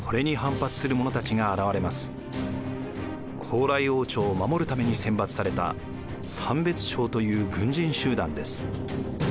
高麗王朝を守るために選抜された三別抄という軍人集団です。